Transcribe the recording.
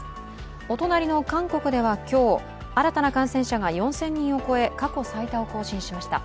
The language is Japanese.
お隣の韓国では今日、新たな感染者が４０００人を超え過去最多を更新しました。